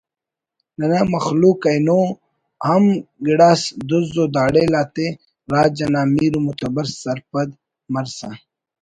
ننا مخلوق اینو ہم گڑاس دُز و داڑیل آتے راج انا میر متبر سرپد مرسا